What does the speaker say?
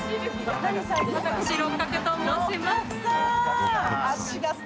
私、六角と申します。